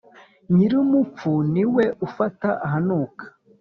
Nyirumupfu ni we ufata ahanuka.